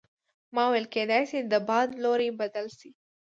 ما وویل کیدای شي د باد لوری بدل شي.